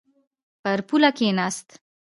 پر پوله کښېناست.